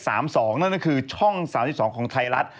นั่นก็คือช่อง๓๒ของไทยรัฐ